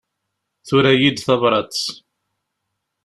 Tura-yi-d tabrat.